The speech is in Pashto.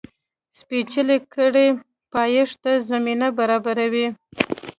سپېڅلې کړۍ پایښت ته زمینه برابروي.